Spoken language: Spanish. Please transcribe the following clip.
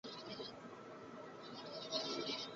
Es recomendable reservar para realizarla un día completo.